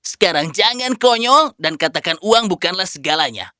sekarang jangan konyol dan katakan uang bukanlah segalanya